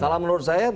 salah menurut saya